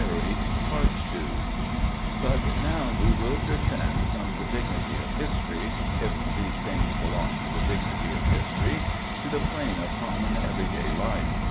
But now we will descend from the dignity of history—if these things belong to the dignity of history—to the plane of common every day life.